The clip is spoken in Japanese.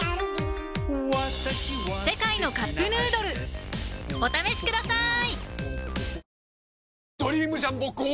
「世界のカップヌードル」お試しください！